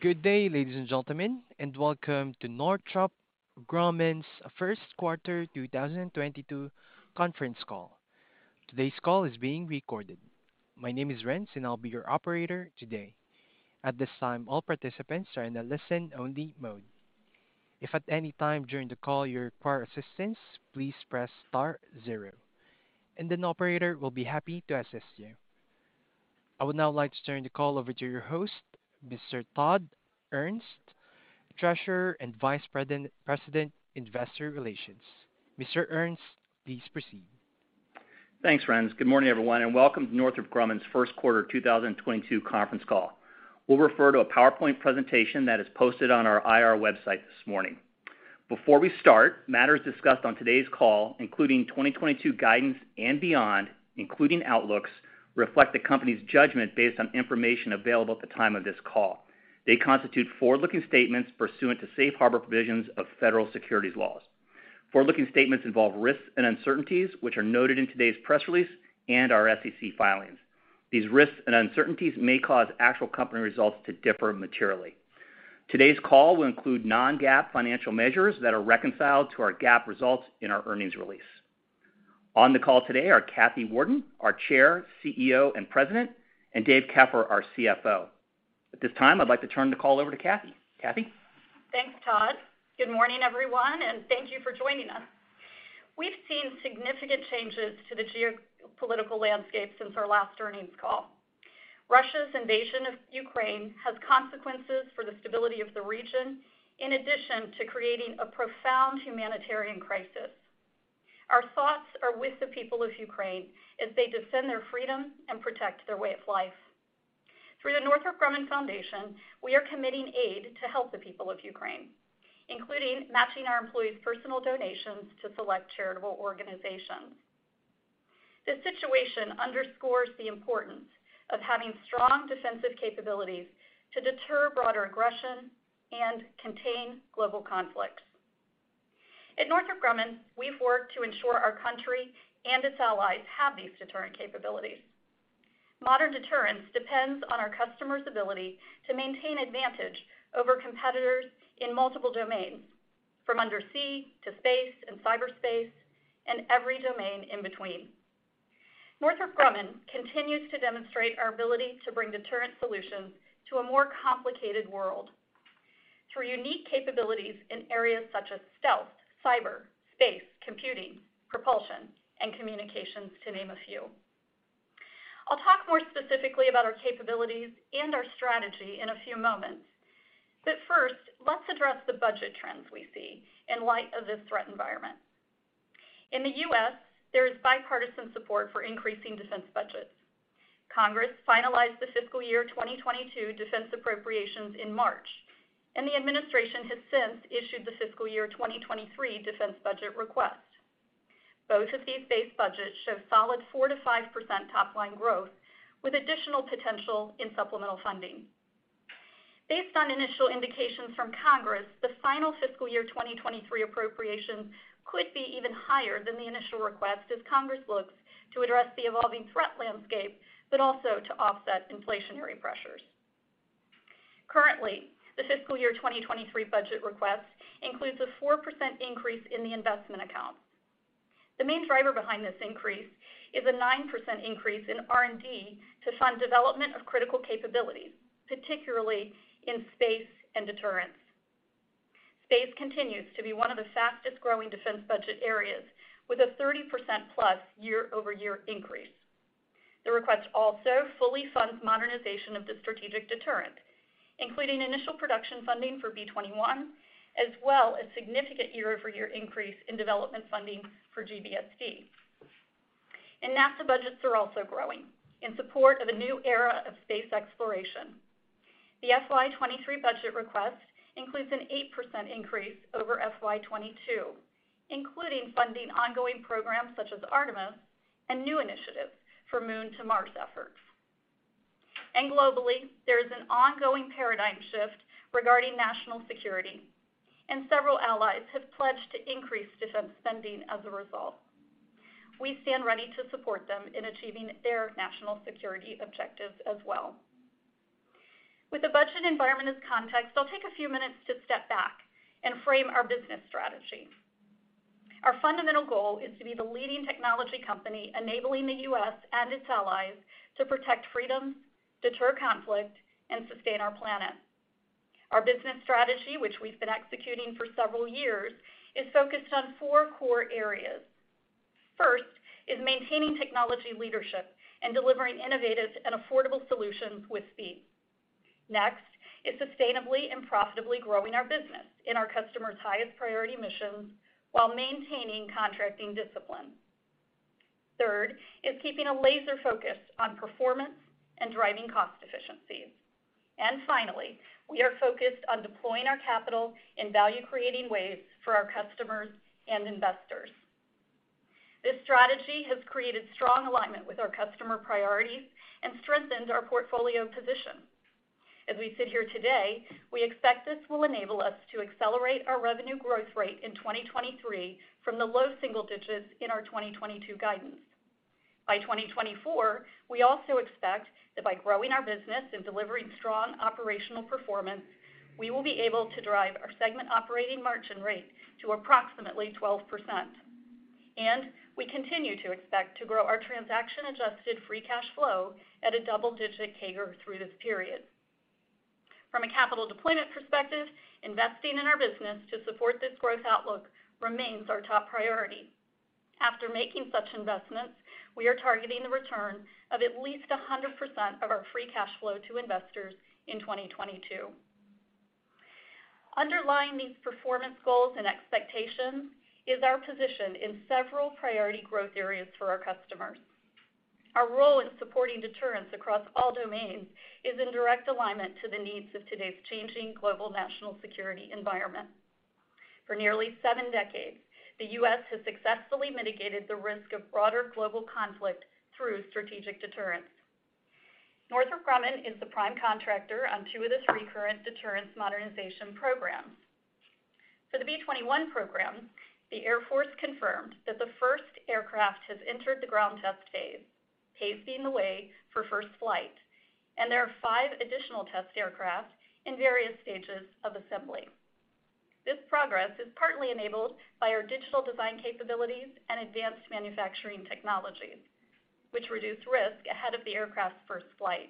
Good day, ladies and gentlemen, and welcome to Northrop Grumman's 1st quarter 2022 conference call. Today's call is being recorded. My name is Renz, and I'll be your operator today. At this time, all participants are in a listen-only mode. If at any time during the call you require assistance, please press star zero and an operator will be happy to assist you. I would now like to turn the call over to your host, Mr. Todd Ernst, Treasurer and Vice President, Investor Relations. Mr. Ernst, please proceed. Thanks, Renz. Good morning, everyone, and welcome to Northrop Grumman's 1st quarter 2022 conference call. We'll refer to a PowerPoint presentation that is posted on our IR website this morning. Before we start, matters discussed on today's call, including 2022 guidance and beyond, including outlooks, reflect the company's judgment based on information available at the time of this call. They constitute forward-looking statements pursuant to safe harbor provisions of federal securities laws. Forward-looking statements involve risks and uncertainties, which are noted in today's press release and our SEC filings. These risks and uncertainties may cause actual company results to differ materially. Today's call will include non-GAAP financial measures that are reconciled to our GAAP results in our earnings release. On the call today are Kathy Warden, our Chair, CEO, and President, and Dave Keffer, our CFO. At this time, I'd like to turn the call over to Kathy. Kathy? Thanks, Todd. Good morning, everyone, and thank you for joining us. We've seen significant changes to the geopolitical landscape since our last earnings call. Russia's invasion of Ukraine has consequences for the stability of the region in addition to creating a profound humanitarian crisis. Our thoughts are with the people of Ukraine as they defend their freedom and protect their way of life. Through the Northrop Grumman Foundation, we are committing aid to help the people of Ukraine, including matching our employees' personal donations to select charitable organizations. This situation underscores the importance of having strong defensive capabilities to deter broader aggression and contain global conflicts. At Northrop Grumman, we've worked to ensure our country and its allies have these deterrent capabilities. Modern deterrence depends on our customers' ability to maintain advantage over competitors in multiple domains, from under sea to space and cyberspace and every domain in between. Northrop Grumman continues to demonstrate our ability to bring deterrent solutions to a more complicated world through unique capabilities in areas such as stealth, cyber, space, computing, propulsion, and communications, to name a few. I'll talk more specifically about our capabilities and our strategy in a few moments. First, let's address the budget trends we see in light of this threat environment. In the U.S., there is bipartisan support for increasing defense budgets. Congress finalized the fiscal year 2022 defense appropriations in March, and the administration has since issued the fiscal year 2023 defense budget request. Both of these base budgets show solid 4%-5% top-line growth with additional potential in supplemental funding. Based on initial indications from Congress, the final fiscal year 2023 appropriation could be even higher than the initial request as Congress looks to address the evolving threat landscape, but also to offset inflationary pressures. Currently, the fiscal year 2023 budget request includes a 4% increase in the investment account. The main driver behind this increase is a 9% increase in R&D to fund development of critical capabilities, particularly in space and deterrence. Space continues to be one of the fastest-growing defense budget areas, with a 30%+ year-over-year increase. The request also fully funds modernization of the strategic deterrent, including initial production funding for B-21, as well as a significant year-over-year increase in development funding for GBSD. NASA budgets are also growing in support of a new era of space exploration. The FY 2023 budget request includes an 8% increase over FY 2022, including funding ongoing programs such as Artemis and new initiatives for Moon to Mars efforts. Globally, there is an ongoing paradigm shift regarding national security, and several allies have pledged to increase defense spending as a result. We stand ready to support them in achieving their national security objectives as well. With the budget environment as context, I'll take a few minutes to step back and frame our business strategy. Our fundamental goal is to be the leading technology company enabling the U.S. and its allies to protect freedom, deter conflict, and sustain our planet. Our business strategy, which we've been executing for several years, is focused on four core areas. First is maintaining technology leadership and delivering innovative and affordable solutions with speed. Next is sustainably and profitably growing our business in our customers' highest priority missions while maintaining contracting discipline. Third is keeping a laser focus on performance and driving cost efficiencies. Finally, we are focused on deploying our capital in value-creating ways for our customers and investors. This strategy has created strong alignment with our customer priorities and strengthened our portfolio position. As we sit here today, we expect this will enable us to accelerate our revenue growth rate in 2023 from the low single digits% in our 2022 guidance. By 2024, we also expect that by growing our business and delivering strong operational performance, we will be able to drive our segment operating margin rate to approximately 12%. We continue to expect to grow our transaction-adjusted free cash flow at a double-digit CAGR through this period. From a capital deployment perspective, investing in our business to support this growth outlook remains our top priority. After making such investments, we are targeting the return of at least 100% of our free cash flow to investors in 2022. Underlying these performance goals and expectations is our position in several priority growth areas for our customers. Our role in supporting deterrence across all domains is in direct alignment to the needs of today's changing global national security environment. For nearly 7 decades, the U.S. has successfully mitigated the risk of broader global conflict through strategic deterrence. Northrop Grumman is the prime contractor on two of the three current deterrence modernization programs. For the B-21 program, the Air Force confirmed that the first aircraft has entered the ground test phase, paving the way for first flight, and there are five additional test aircraft in various stages of assembly. This progress is partly enabled by our digital design capabilities and advanced manufacturing technologies, which reduce risk ahead of the aircraft's first flight.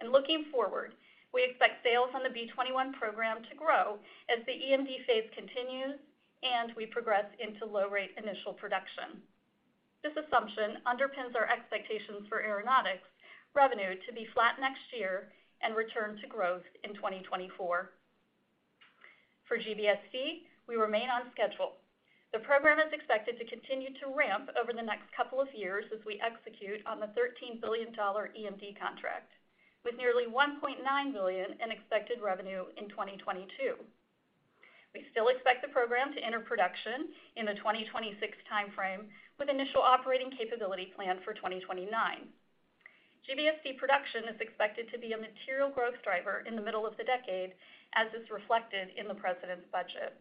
Looking forward, we expect sales on the B-21 program to grow as the EMD phase continues and we progress into low rate initial production. This assumption underpins our expectations for aeronautics revenue to be flat next year and return to growth in 2024. For GBSD, we remain on schedule. The program is expected to continue to ramp over the next couple of years as we execute on the $13 billion EMD contract, with nearly $1.9 billion in expected revenue in 2022. We still expect the program to enter production in the 2026 time frame, with initial operating capability planned for 2029. GBSD production is expected to be a material growth driver in the middle of the decade, as is reflected in the president's budget.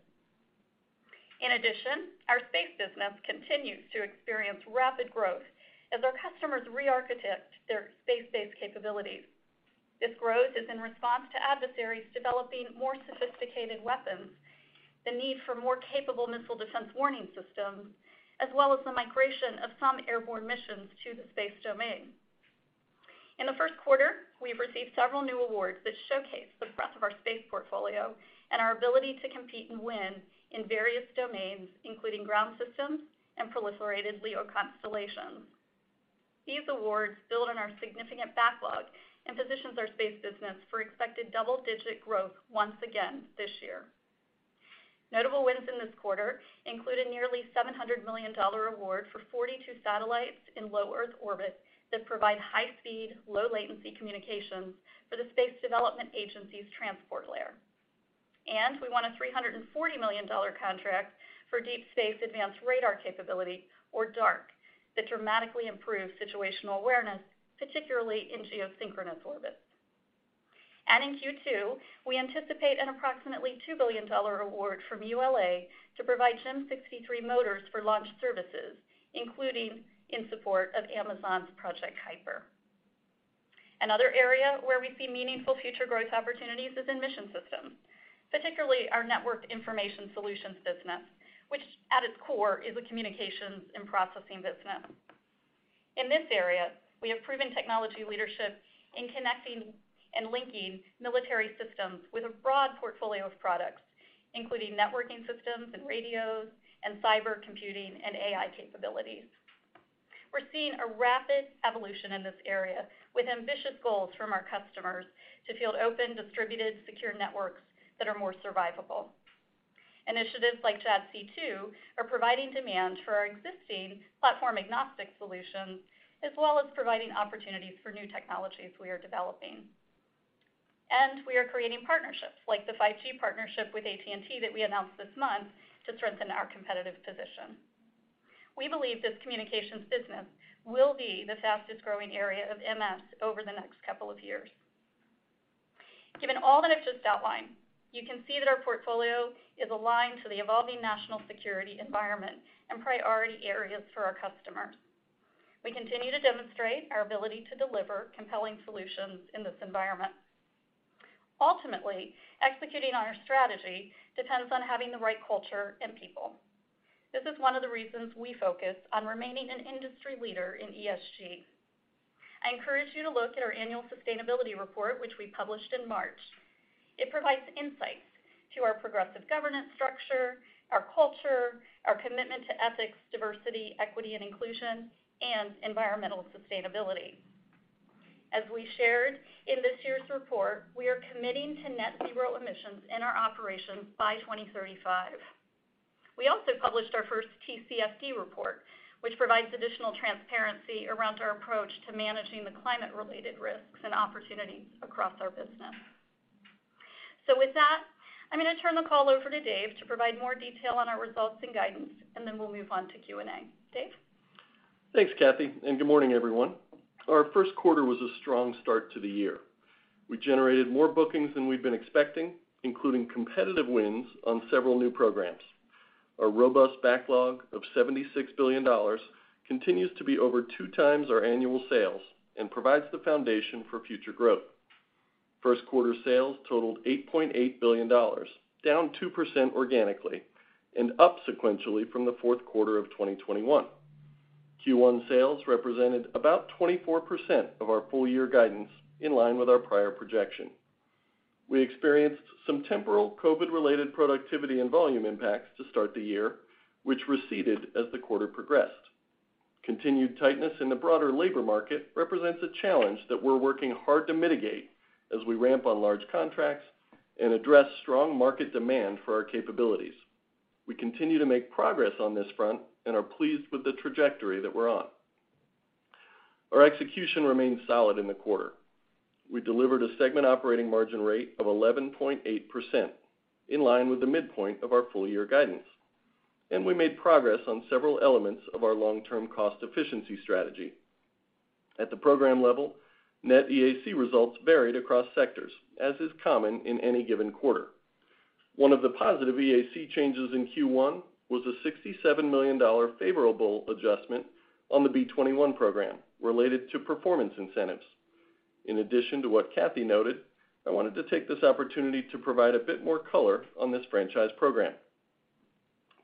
In addition, our space business continues to experience rapid growth as our customers re-architect their space-based capabilities. This growth is in response to adversaries developing more sophisticated weapons, the need for more capable missile defense warning systems, as well as the migration of some airborne missions to the space domain. In the 1st quarter, we have received several new awards that showcase the breadth of our space portfolio and our ability to compete and win in various domains, including ground systems and proliferated LEO constellations. These awards build on our significant backlog and positions our space business for expected double-digit growth once again this year. Notable wins in this quarter include a nearly $700 million award for 42 satellites in low Earth orbit that provide high speed, low latency communications for the Space Development Agency's transport layer. We won a $340 million contract for Deep Space Advanced Radar Capability, or DARC, that dramatically improves situational awareness, particularly in geosynchronous orbit. In Q2, we anticipate an approximately $2 billion award from ULA to provide GEM 63 motors for launch services, including in support of Amazon's Project Kuiper. Another area where we see meaningful future growth opportunities is in mission systems, particularly our networked information solutions business, which at its core is a communications and processing business. In this area, we have proven technology leadership in connecting and linking military systems with a broad portfolio of products, including networking systems and radios and cyber computing and AI capabilities. We're seeing a rapid evolution in this area with ambitious goals from our customers to field open, distributed, secure networks that are more survivable. Initiatives like JADC2 are providing demand for our existing platform-agnostic solutions, as well as providing opportunities for new technologies we are developing. We are creating partnerships like the 5G partnership with AT&T that we announced this month to strengthen our competitive position. We believe this communications business will be the fastest-growing area of MS over the next couple of years. Given all that I've just outlined, you can see that our portfolio is aligned to the evolving national security environment and priority areas for our customers. We continue to demonstrate our ability to deliver compelling solutions in this environment. Ultimately, executing on our strategy depends on having the right culture and people. This is one of the reasons we focus on remaining an industry leader in ESG. I encourage you to look at our annual sustainability report, which we published in March. It provides insights to our progressive governance structure, our culture, our commitment to ethics, diversity, equity, and inclusion, and environmental sustainability. As we shared in this year's report, we are committing to net zero emissions in our operations by 2035. We also published our first TCFD report, which provides additional transparency around our approach to managing the climate-related risks and opportunities across our business. With that, I'm going to turn the call over to Dave to provide more detail on our results and guidance, and then we'll move on to Q&A. Dave? Thanks, Kathy, and good morning, everyone. Our 1st quarter was a strong start to the year. We generated more bookings than we've been expecting, including competitive wins on several new programs. Our robust backlog of $76 billion continues to be over two times our annual sales and provides the foundation for future growth. First quarter sales totaled $8.8 billion, down 2% organically and up sequentially from the fourth quarter of 2021. Q1 sales represented about 24% of our full year guidance in line with our prior projection. We experienced some temporal COVID-related productivity and volume impacts to start the year, which receded as the quarter progressed. Continued tightness in the broader labor market represents a challenge that we're working hard to mitigate as we ramp on large contracts and address strong market demand for our capabilities. We continue to make progress on this front and are pleased with the trajectory that we're on. Our execution remained solid in the quarter. We delivered a segment operating margin rate of 11.8% in line with the midpoint of our full year guidance, and we made progress on several elements of our long-term cost efficiency strategy. At the program level, net EAC results varied across sectors, as is common in any given quarter. One of the positive EAC changes in Q1 was a $67 million favorable adjustment on the B-21 program related to performance incentives. In addition to what Kathy noted, I wanted to take this opportunity to provide a bit more color on this franchise program.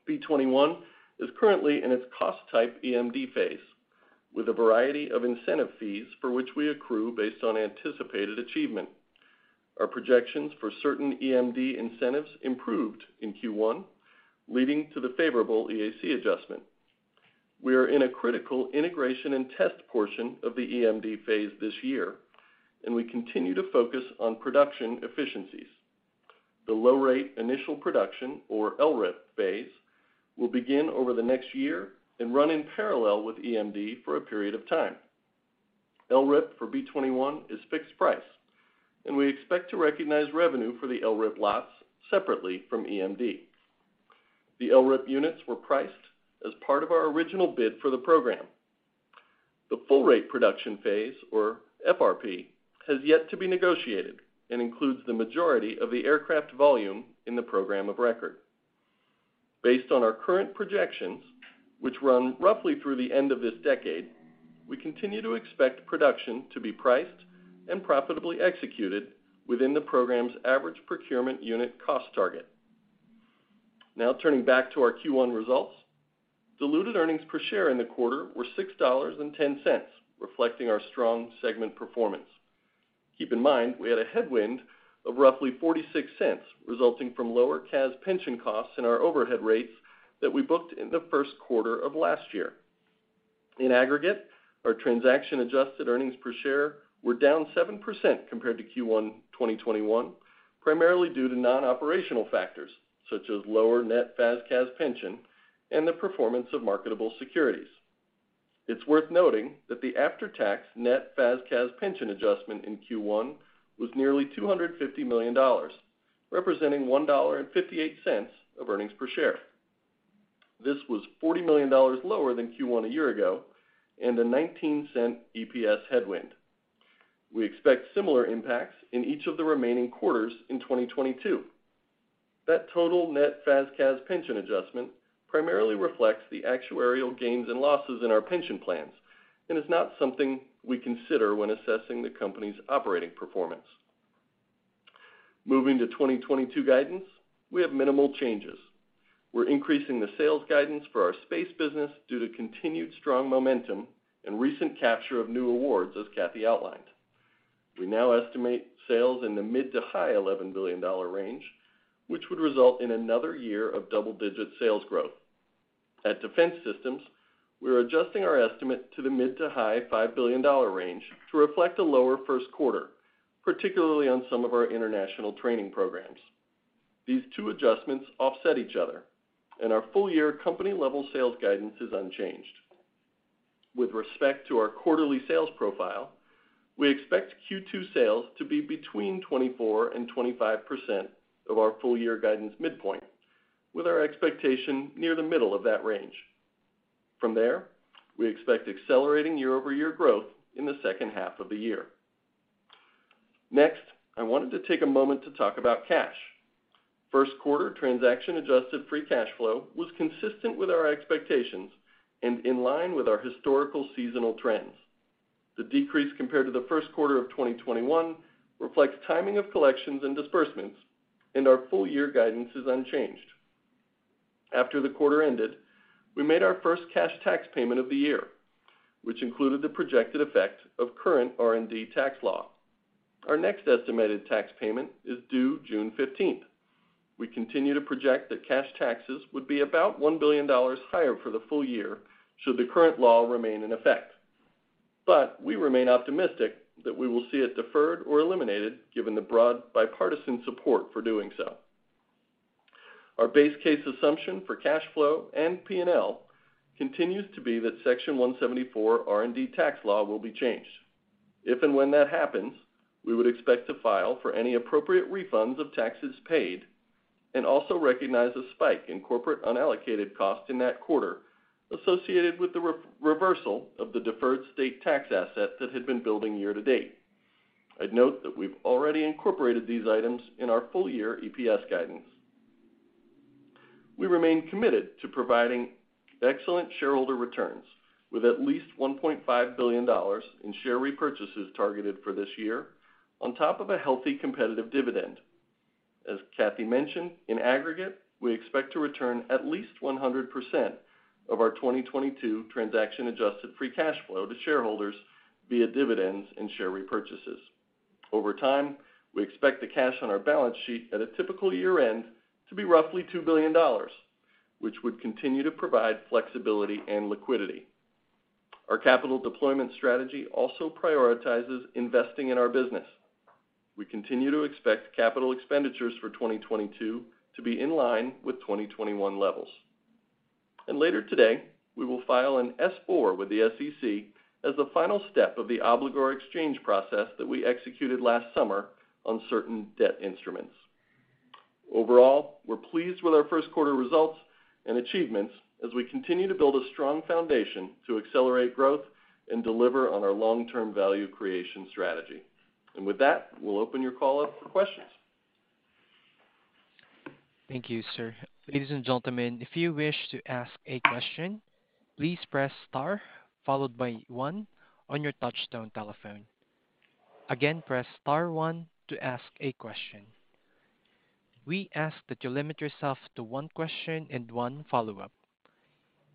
B-21 is currently in its cost type EMD phase, with a variety of incentive fees for which we accrue based on anticipated achievement. Our projections for certain EMD incentives improved in Q1, leading to the favorable EAC adjustment. We are in a critical integration and test portion of the EMD phase this year, and we continue to focus on production efficiencies. The low rate initial production or LRIP phase will begin over the next year and run in parallel with EMD for a period of time. LRIP for B-21 is fixed price, and we expect to recognize revenue for the LRIP lots separately from EMD. The LRIP units were priced as part of our original bid for the program. The full rate production phase, or FRP, has yet to be negotiated and includes the majority of the aircraft volume in the program of record. Based on our current projections, which run roughly through the end of this decade, we continue to expect production to be priced and profitably executed within the program's average procurement unit cost target. Now turning back to our Q1 results. Diluted earnings per share in the quarter were $6.10, reflecting our strong segment performance. Keep in mind, we had a headwind of roughly $0.46 resulting from lower CAS pension costs in our overhead rates that we booked in the 1st quarter of last year. In aggregate, our transaction adjusted earnings per share were down 7% compared to Q1 2021, primarily due to non-operational factors such as lower net FAS/CAS pension and the performance of marketable securities. It's worth noting that the after-tax net FAS/CAS pension adjustment in Q1 was nearly $250 million, representing $1.58 of earnings per share. This was $40 million lower than Q1 a year ago and a $0.19 EPS headwind. We expect similar impacts in each of the remaining quarters in 2022. That total net FAS/CAS pension adjustment primarily reflects the actuarial gains and losses in our pension plans and is not something we consider when assessing the company's operating performance. Moving to 2022 guidance, we have minimal changes. We're increasing the sales guidance for our space business due to continued strong momentum and recent capture of new awards, as Kathy outlined. We now estimate sales in the mid- to high-$11 billion range, which would result in another year of double-digit sales growth. At Defense Systems, we are adjusting our estimate to the mid- to high-$5 billion range to reflect a lower 1st quarter, particularly on some of our international training programs. These two adjustments offset each other and our full year company level sales guidance is unchanged. With respect to our quarterly sales profile, we expect Q2 sales to be between 24% and 25% of our full year guidance midpoint, with our expectation near the middle of that range. From there, we expect accelerating year-over-year growth in the 2nd half of the year. Next, I wanted to take a moment to talk about cash. First quarter transaction adjusted free cash flow was consistent with our expectations and in line with our historical seasonal trends. The decrease compared to the 1st quarter of 2021 reflects timing of collections and disbursements, and our full year guidance is unchanged. After the quarter ended, we made our first cash tax payment of the year, which included the projected effect of current R&D tax law. Our next estimated tax payment is due June 15. We continue to project that cash taxes would be about $1 billion higher for the full year should the current law remain in effect. We remain optimistic that we will see it deferred or eliminated, given the broad bipartisan support for doing so. Our base case assumption for cash flow and P&L continues to be that Section 174 R&D tax law will be changed. If and when that happens, we would expect to file for any appropriate refunds of taxes paid. We also recognize a spike in corporate unallocated costs in that quarter associated with the re-reversal of the deferred state tax asset that had been building year to date. I'd note that we've already incorporated these items in our full year EPS guidance. We remain committed to providing excellent shareholder returns with at least $1.5 billion in share repurchases targeted for this year on top of a healthy competitive dividend. As Kathy mentioned, in aggregate, we expect to return at least 100% of our 2022 transaction adjusted free cash flow to shareholders via dividends and share repurchases. Over time, we expect the cash on our balance sheet at a typical year-end to be roughly $2 billion, which would continue to provide flexibility and liquidity. Our capital deployment strategy also prioritizes investing in our business. We continue to expect capital expenditures for 2022 to be in line with 2021 levels. Later today, we will file an S-4 with the SEC as the final step of the obligor exchange process that we executed last summer on certain debt instruments. Overall, we're pleased with our 1st quarter results and achievements as we continue to build a strong foundation to accelerate growth and deliver on our long-term value creation strategy. With that, we'll open your call up for questions. Thank you, sir. Ladies and gentlemen, if you wish to ask a question, please press star followed by 1 on your touch-tone telephone. Again, press star 1 to ask a question. We ask that you limit yourself to one question and one follow-up.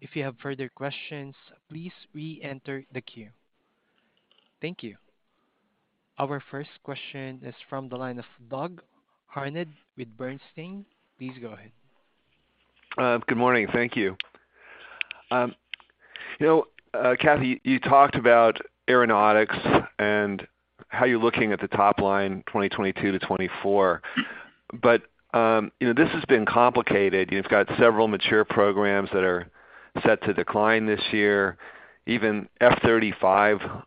If you have further questions, please reenter the queue. Thank you. Our first question is from the line of Doug Harned with Bernstein. Please go ahead. Good morning. Thank you. You know, Kathy, you talked about aeronautics and how you're looking at the top line, 2022 to 2024. You know, this has been complicated. You've got several mature programs that are set to decline this year. Even F-35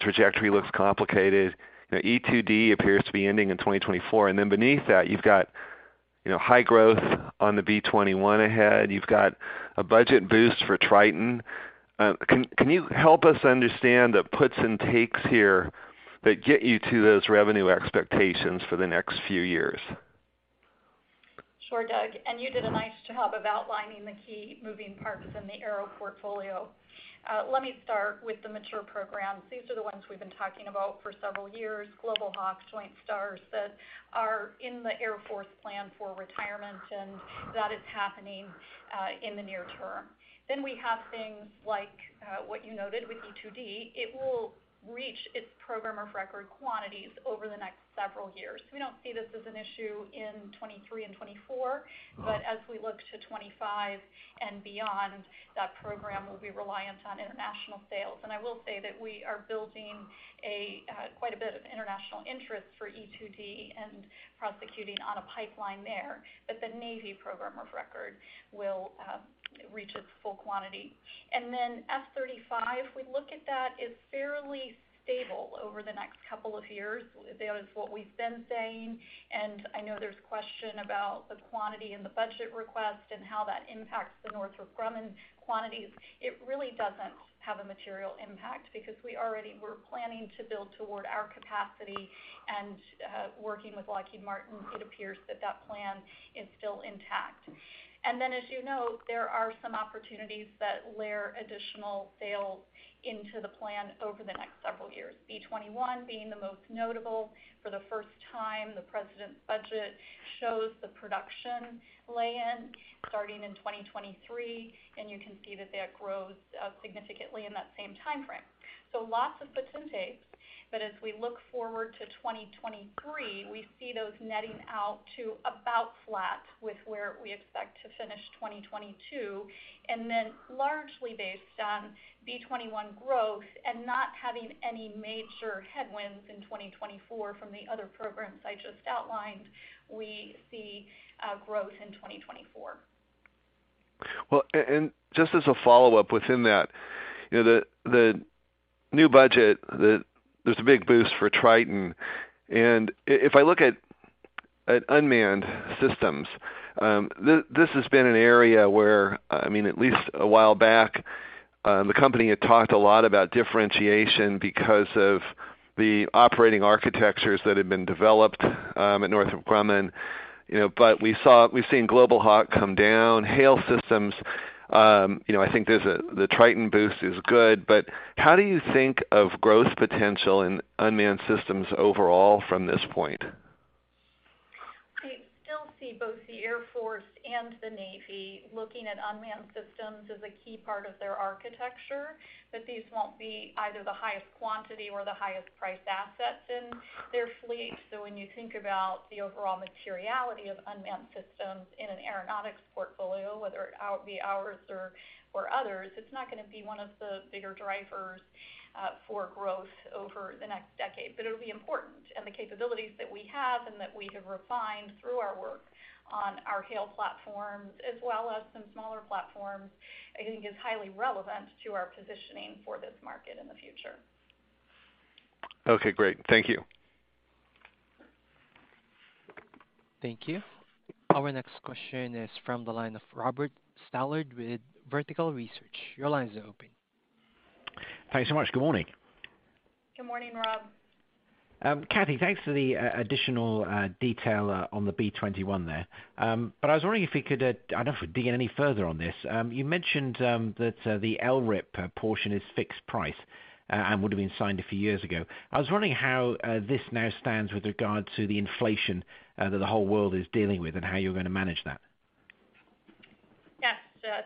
trajectory looks complicated. You know, E-2D appears to be ending in 2024. Beneath that, you've got, you know, high growth on the B-21 ahead. You've got a budget boost for Triton. Can you help us understand the puts and takes here that get you to those revenue expectations for the next few years? Sure, Doug, you did a nice job of outlining the key moving parts in the aero portfolio. Let me start with the mature programs. These are the ones we've been talking about for several years, Global Hawk, Joint STARS, that are in the Air Force plan for retirement, and that is happening in the near term. We have things like what you noted with E-2D. It will reach its program of record quantities over the next several years. We don't see this as an issue in 2023 and 2024. Uh-huh. As we look to 2025 and beyond, that program will be reliant on international sales. I will say that we are building a quite a bit of international interest for E-2D and prosecuting on a pipeline there, but the Navy program of record will reach its full quantity. Then F-35, we look at that as fairly stable over the next couple of years. That is what we've been saying, and I know there's question about the quantity in the budget request and how that impacts the Northrop Grumman quantities. It really doesn't have a material impact because we already were planning to build toward our capacity and working with Lockheed Martin, it appears that that plan is still intact. As you know, there are some opportunities that layer additional sales into the plan over the next several years, B-21 being the most notable. For the first time, the president's budget shows the production lay in starting in 2023, and you can see that that grows significantly in that same timeframe. Lots of puts and takes. As we look forward to 2023, we see those netting out to about flat with where we expect to finish 2022. Largely based on B-21 growth and not having any major headwinds in 2024 from the other programs I just outlined, we see growth in 2024. Well, and just as a follow-up within that, you know, the new budget, there's a big boost for Triton. If I look at unmanned systems, this has been an area where, I mean, at least a while back, the company had talked a lot about differentiation because of the operating architectures that had been developed at Northrop Grumman. You know, we've seen Global Hawk come down, HALE systems. You know, I think the Triton boost is good, but how do you think of growth potential in unmanned systems overall from this point? We still see both the Air Force and the Navy looking at unmanned systems as a key part of their architecture, but these won't be either the highest quantity or the highest priced assets in their fleet. When you think about the overall materiality of unmanned systems in an aeronautics portfolio, whether it be ours or others, it's not gonna be one of the bigger drivers for growth over the next decade. It'll be important, and the capabilities that we have and that we have refined through our work on our HALE platforms as well as some smaller platforms, I think is highly relevant to our positioning for this market in the future. Okay, great. Thank you. Thank you. Our next question is from the line of Robert Stallard with Vertical Research. Your line is open. Thanks so much. Good morning. Good morning, Rob. Kathy, thanks for the additional detail on the B-21 there. I was wondering if we could, I don't know if we can dig in any further on this. You mentioned that the LRIP portion is fixed price and would have been signed a few years ago. I was wondering how this now stands with regard to the inflation that the whole world is dealing with and how you're gonna manage that. Yes.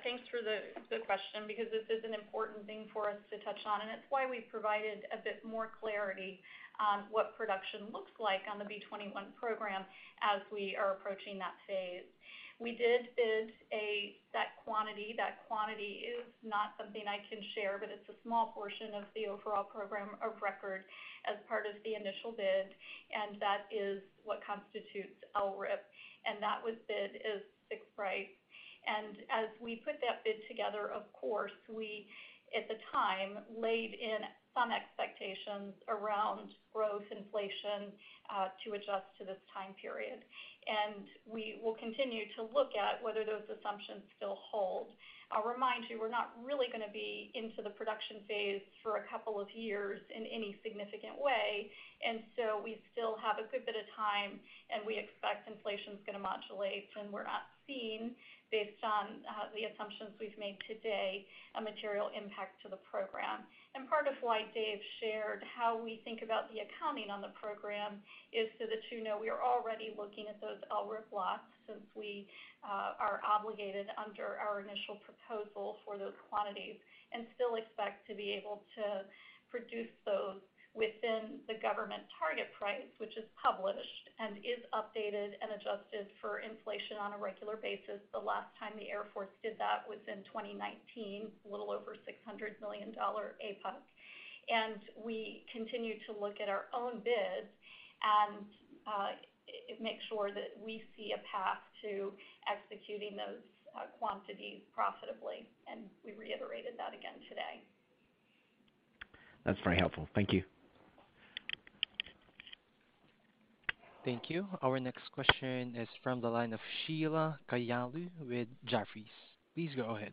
Thanks for the question, because this is an important thing for us to touch on, and it's why we've provided a bit more clarity on what production looks like on the B-21 program as we are approaching that phase. We did bid that quantity. That quantity is not something I can share, but it's a small portion of the overall program of record as part of the initial bid, and that is what constitutes LRIP, and that was bid as fixed price. As we put that bid together, of course, we, at the time, laid in some expectations around growth, inflation, to adjust to this time period. We will continue to look at whether those assumptions still hold. I'll remind you, we're not really gonna be into the production phase for a couple of years in any significant way. We still have a good bit of time, and we expect inflation is gonna modulate, and we're not seeing, based on the assumptions we've made today, a material impact to the program. Part of why Dave shared how we think about the accounting on the program is so that you know we are already looking at those LRIP lots since we are obligated under our initial proposal for those quantities and still expect to be able to produce those within the government target price, which is published and is updated and adjusted for inflation on a regular basis. The last time the Air Force did that was in 2019, a little over $600 million APUC. We continue to look at our own bids and make sure that we see a path to executing those quantities profitably. We reiterated that again today. That's very helpful. Thank you. Thank you. Our next question is from the line of Sheila Kahyaoglu with Jefferies. Please go ahead.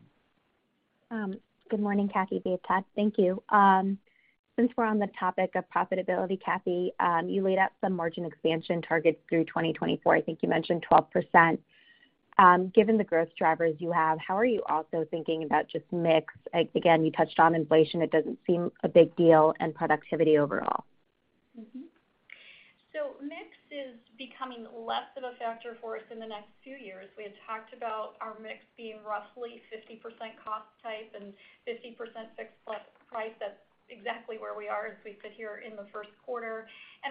Good morning, Kathy, Dave Keffer. Thank you. Since we're on the topic of profitability, Kathy, you laid out some margin expansion targets through 2024. I think you mentioned 12%. Given the growth drivers you have, how are you also thinking about just mix? Again, you touched on inflation, it doesn't seem a big deal, and productivity overall. Mix is becoming less of a factor for us in the next few years. We had talked about our mix being roughly 50% cost type and 50% fixed plus price. That's exactly where we are as we sit here in the 1st quarter.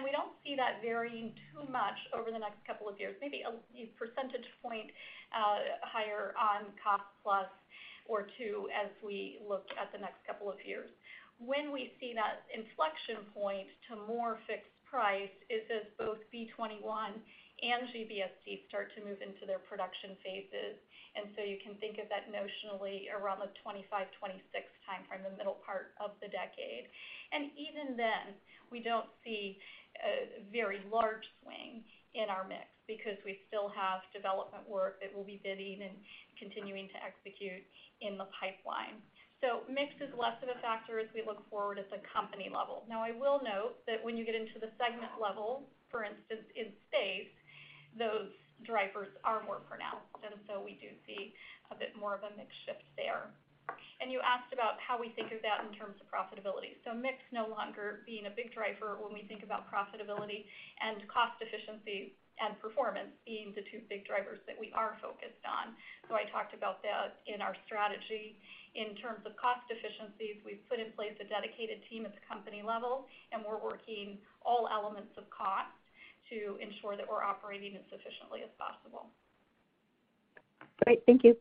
We don't see that varying too much over the next couple of years. Maybe a percentage point higher on cost plus or 2 as we look at the next couple of years. When we see that inflection point to more fixed price is as both B-21 and GBSD start to move into their production phases. You can think of that notionally around the 2025, 2026 timeframe, the middle part of the decade. Even then, we don't see a very large swing in our mix because we still have development work that we'll be bidding and continuing to execute in the pipeline. Mix is less of a factor as we look forward at the company level. Now, I will note that when you get into the segment level, for instance, in space, those drivers are more pronounced, and so we do see a bit more of a mix shift there. You asked about how we think of that in terms of profitability. Mix no longer being a big driver when we think about profitability and cost efficiency and performance being the two big drivers that we are focused on. I talked about that in our strategy. In terms of cost efficiencies, we've put in place a dedicated team at the company level, and we're working all elements of cost to ensure that we're operating as efficiently as possible. Great. Thank you.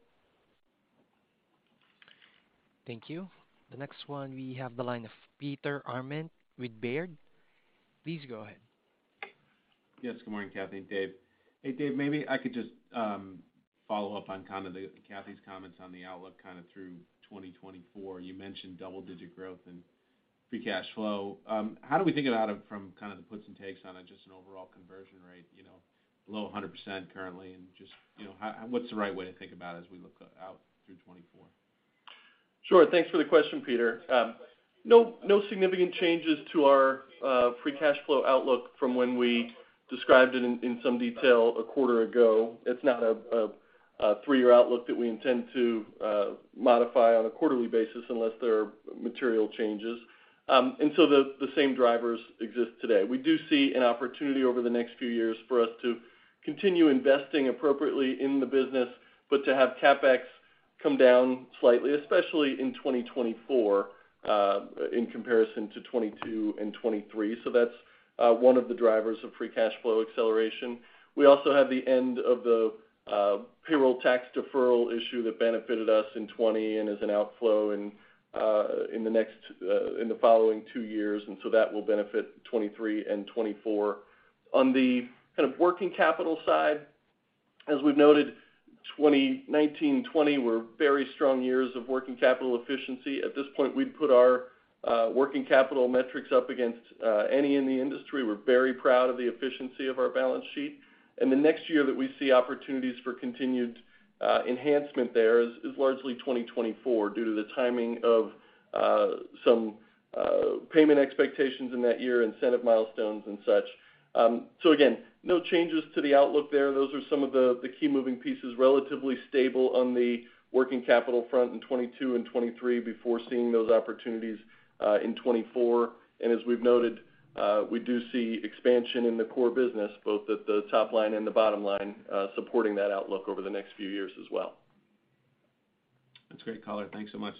Thank you. The next one, we have the line of Peter Arment with Baird. Please go ahead. Yes, good morning, Kathy and Dave. Hey, Dave, maybe I could just follow up on kind of the Kathy's comments on the outlook kind of through 2024. You mentioned double-digit growth and free cash flow. How do we think about it from kind of the puts and takes on it, just an overall conversion rate, you know, below 100% currently, and just, you know, what's the right way to think about as we look out through 2024? Sure. Thanks for the question, Peter. No significant changes to our free cash flow outlook from when we described it in some detail a quarter ago. It's not a three-year outlook that we intend to modify on a quarterly basis unless there are material changes. The same drivers exist today. We do see an opportunity over the next few years for us to continue investing appropriately in the business, but to have CapEx come down slightly, especially in 2024, in comparison to 2022 and 2023. That's one of the drivers of free cash flow acceleration. We also have the end of the payroll tax deferral issue that benefited us in 2020 and is an outflow in the following two years, that will benefit 2023 and 2024. On the kind of working capital side. As we've noted, 2019, 2020 were very strong years of working capital efficiency. At this point, we'd put our working capital metrics up against any in the industry. We're very proud of the efficiency of our balance sheet. The next year that we see opportunities for continued enhancement there is largely 2024 due to the timing of some payment expectations in that year, incentive milestones and such. Again, no changes to the outlook there. Those are some of the key moving pieces, relatively stable on the working capital front in 2022 and 2023 before seeing those opportunities in 2024. As we've noted, we do see expansion in the core business, both at the top line and the bottom line, supporting that outlook over the next few years as well. That's great, color. Thanks so much.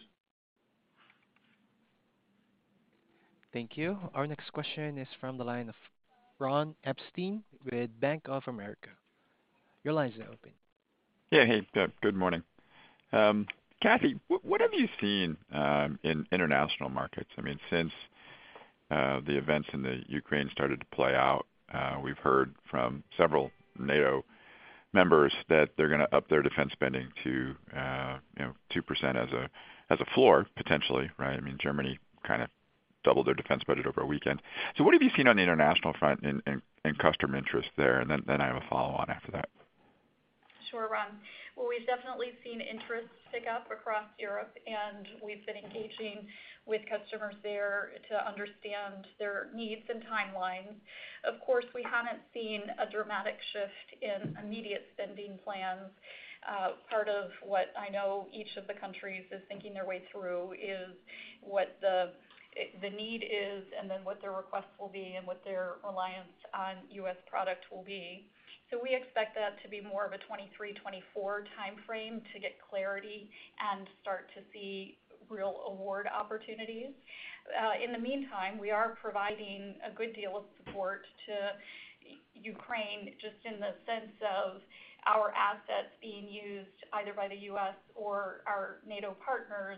Thank you. Our next question is from the line of Ron Epstein with Bank of America. Your line is now open. Yeah. Hey, good morning. Kathy, what have you seen in international markets? I mean, since the events in the Ukraine started to play out, we've heard from several NATO members that they're gonna up their defense spending to, you know, 2% as a floor potentially, right? I mean, Germany kind of doubled their defense budget over a weekend. What have you seen on the international front in customer interest there? I have a follow on after that. Sure, Ron. Well, we've definitely seen interest pick up across Europe, and we've been engaging with customers there to understand their needs and timelines. Of course, we haven't seen a dramatic shift in immediate spending plans. Part of what I know each of the countries is thinking their way through is what the need is and then what their request will be and what their reliance on U.S. product will be. We expect that to be more of a 2023, 2024 timeframe to get clarity and start to see real award opportunities. In the meantime, we are providing a good deal of support to Ukraine just in the sense of our assets being used either by the U.S. or our NATO partners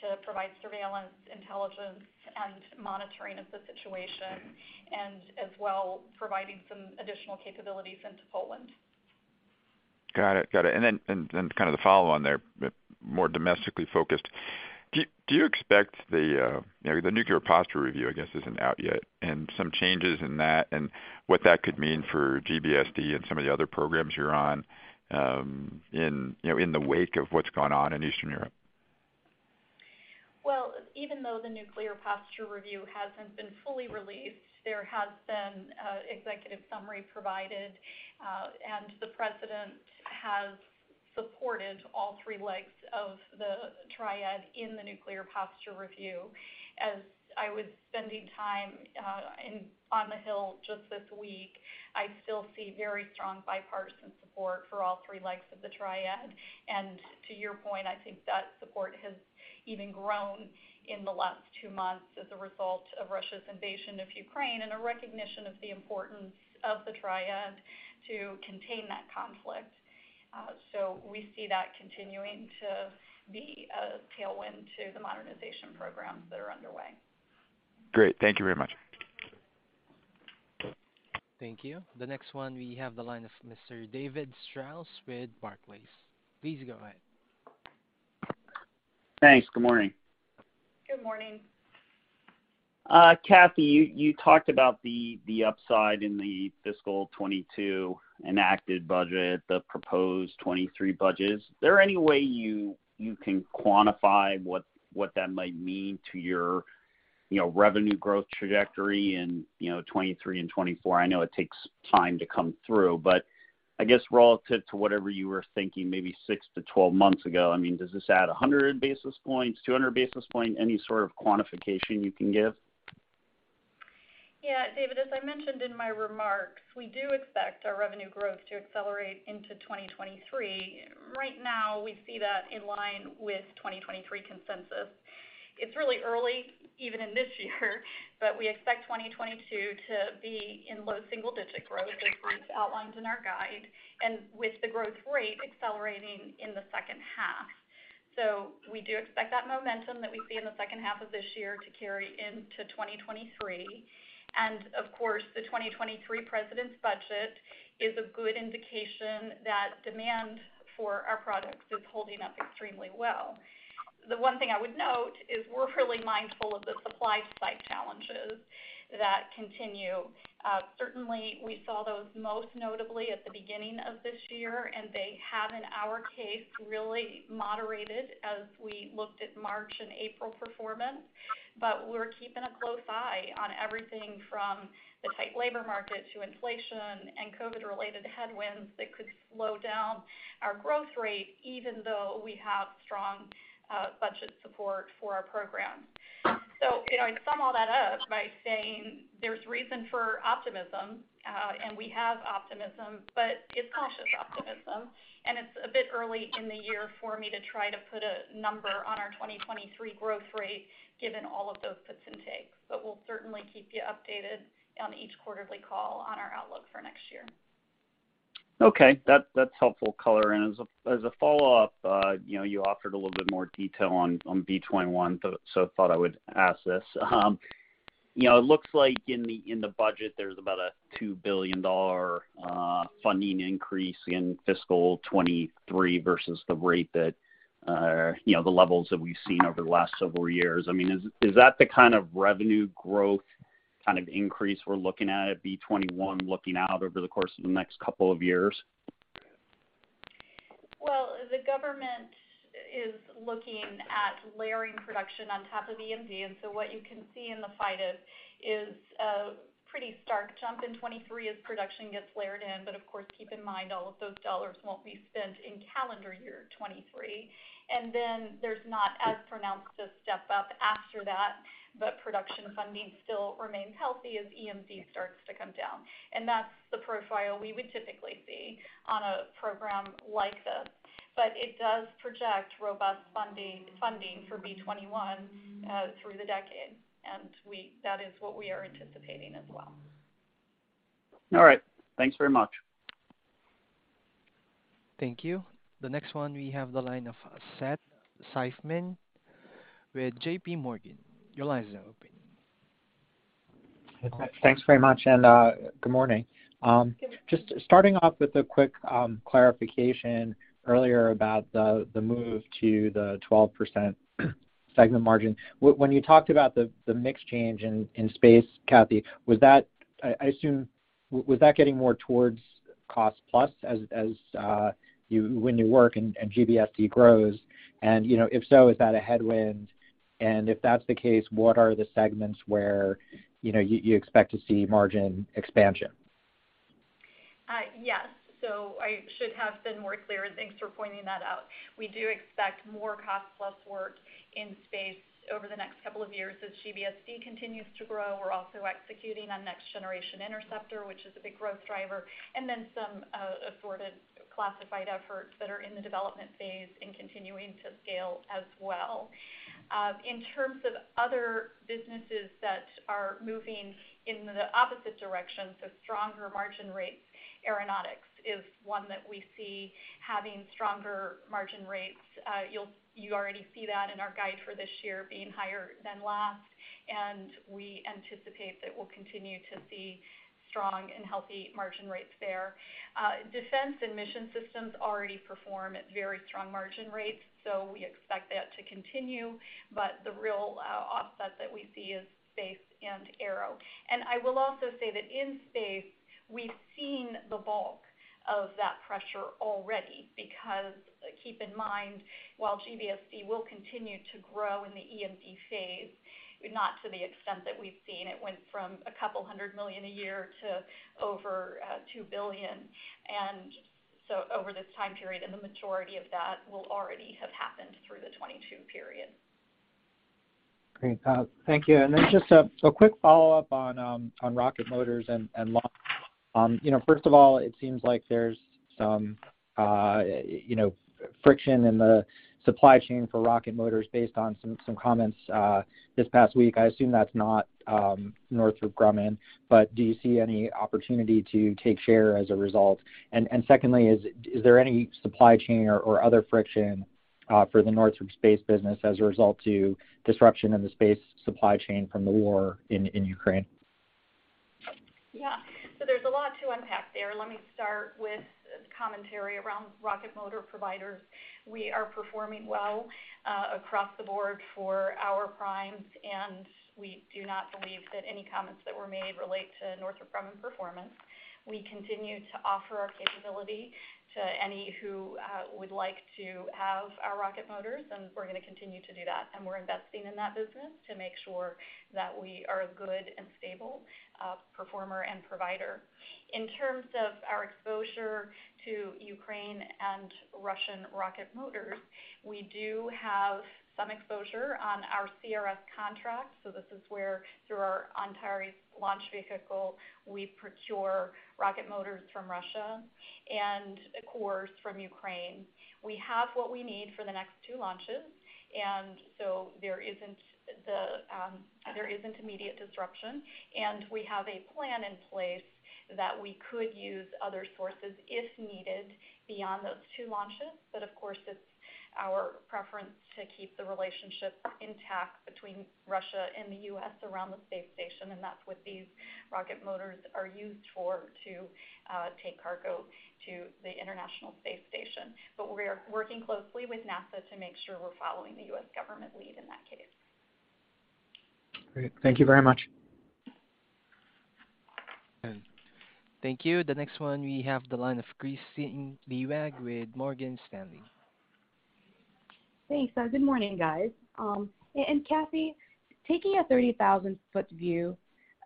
to provide surveillance, intelligence, and monitoring of the situation, and as well providing some additional capabilities into Poland. Got it. Then kind of the follow on there, more domestically focused. Do you expect you know, the nuclear posture review, I guess, isn't out yet and some changes in that and what that could mean for GBSD and some of the other programs you're on, in you know, in the wake of what's gone on in Eastern Europe? Well, even though the nuclear posture review hasn't been fully released, there has been an executive summary provided, and the president has supported all three legs of the triad in the nuclear posture review. As I was spending time on the Hill just this week, I still see very strong bipartisan support for all three legs of the triad. To your point, I think that support has even grown in the last two months as a result of Russia's invasion of Ukraine and a recognition of the importance of the triad to contain that conflict. We see that continuing to be a tailwind to the modernization programs that are underway. Great. Thank you very much. Thank you. The next one, we have the line of Mr. David Strauss with Barclays. Please go ahead. Thanks. Good morning. Good morning. Kathy, you talked about the upside in the fiscal 2022 enacted budget, the proposed 2023 budgets. Is there any way you can quantify what that might mean to your, you know, revenue growth trajectory in, you know, 2023 and 2024? I know it takes time to come through, but I guess relative to whatever you were thinking maybe 6 to 12 months ago, I mean, does this add 100 basis points, 200 basis point? Any sort of quantification you can give? Yeah, David, as I mentioned in my remarks, we do expect our revenue growth to accelerate into 2023. Right now, we see that in line with 2023 consensus. It's really early, even in this year, but we expect 2022 to be in low single-digit growth as we've outlined in our guide, and with the growth rate accelerating in the second half. We do expect that momentum that we see in the 2nd half of this year to carry into 2023. Of course, the 2023 President's budget is a good indication that demand for our products is holding up extremely well. The one thing I would note is we're really mindful of the supply side challenges that continue. Certainly we saw those most notably at the beginning of this year, and they have, in our case, really moderated as we looked at March and April performance. We're keeping a close eye on everything from the tight labor market to inflation and COVID-related headwinds that could slow down our growth rate, even though we have strong budget support for our program. You know, I'd sum all that up by saying there's reason for optimism, and we have optimism, but it's cautious optimism, and it's a bit early in the year for me to try to put a number on our 2023 growth rate given all of those puts and takes. We'll certainly keep you updated on each quarterly call on our outlook for next year. Okay. That's helpful color. As a follow-up, you know, you offered a little bit more detail on B-21, so I thought I would ask this. You know, it looks like in the budget, there's about a $2 billion funding increase in fiscal 2023 versus the rate that you know, the levels that we've seen over the last several years. I mean, is that the kind of revenue growth kind of increase we're looking at at B-21 looking out over the course of the next couple of years? Well, the government is looking at layering production on top of EMD. What you can see in the FYDP is a pretty stark jump in 2023 as production gets layered in. Of course, keep in mind all of those dollars won't be spent in calendar year 2023. There's not as pronounced a step up after that, but production funding still remains healthy as EMD starts to come down. That's the profile we would typically see on a program like this. It does project robust funding for B-21, through the decade. That is what we are anticipating as well. All right. Thanks very much. Thank you. The next one, we have the line of Seth Seifman with J.P. Morgan. Your line is open. Thanks very much. Good morning. Just starting off with a quick clarification earlier about the move to the 12% segment margin. When you talked about the mix change in space, Kathy, I assume that was getting more towards cost plus as when you work and GBSD grows? You know, if so, is that a headwind? If that's the case, what are the segments where you know you expect to see margin expansion? Yes. I should have been more clear, and thanks for pointing that out. We do expect more cost plus work in space over the next couple of years as GBSD continues to grow. We're also executing on Next Generation Interceptor, which is a big growth driver, and then some assorted classified efforts that are in the development phase and continuing to scale as well. In terms of other businesses that are moving in the opposite direction, so stronger margin rates, Aeronautics is one that we see having stronger margin rates. You already see that in our guide for this year being higher than last, and we anticipate that we'll continue to see strong and healthy margin rates there. Defense and Mission Systems already perform at very strong margin rates, so we expect that to continue. The real offset that we see is space and aero. I will also say that in space, we've seen the bulk of that pressure already because keep in mind, while GBSD will continue to grow in the EMD phase, not to the extent that we've seen, it went from $200 million a year to over $2 billion. Over this time period, the majority of that will already have happened through the 2022 period. Great. Thank you. Just a quick follow-up on rocket motors and launch. You know, first of all, it seems like there's some you know, friction in the supply chain for rocket motors based on some comments this past week. I assume that's not Northrop Grumman, but do you see any opportunity to take share as a result? Secondly, is there any supply chain or other friction for the Northrop space business as a result of disruption in the space supply chain from the war in Ukraine? Yeah. There's a lot to unpack there. Let me start with commentary around rocket motor providers. We are performing well across the board for our primes, and we do not believe that any comments that were made relate to Northrop Grumman performance. We continue to offer our capability to any who would like to have our rocket motors, and we're gonna continue to do that. We're investing in that business to make sure that we are a good and stable performer and provider. In terms of our exposure to Ukraine and Russian rocket motors, we do have some exposure on our CRS contracts. This is where through our Antares launch vehicle, we procure rocket motors from Russia and cores from Ukraine. We have what we need for the next two launches, and there isn't immediate disruption. We have a plan in place that we could use other sources if needed beyond those two launches. Of course, it's our preference to keep the relationship intact between Russia and the U.S. around the space station, and that's what these rocket motors are used for, to take cargo to the International Space Station. We are working closely with NASA to make sure we're following the U.S. government lead in that case. Great. Thank you very much. Thank you. The next one, we have the line of Kristine Liwag with Morgan Stanley. Thanks. Good morning, guys. Kathy, taking a 30,000-foot view,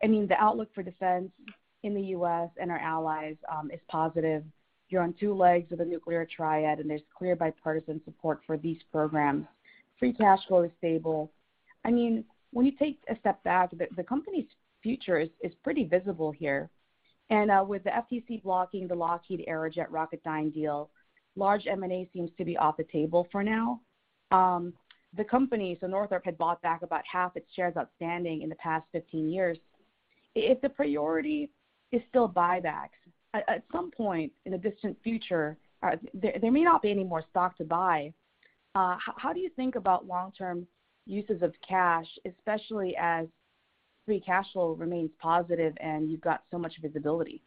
I mean, the outlook for defense in the U.S. and our allies is positive. You're on 2 legs of a nuclear triad, and there's clear bipartisan support for these programs. Free cash flow is stable. I mean, when you take a step back, the company's future is pretty visible here. With the FTC blocking the Lockheed Aerojet Rocketdyne deal, large M&A seems to be off the table for now. The company, so Northrop had bought back about half its shares outstanding in the past 15 years. If the priority is still buybacks, at some point in the distant future, there may not be any more stock to buy. How do you think about long-term uses of cash, especially as free cash flow remains positive and you've got so much visibility?